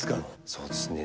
そうですね。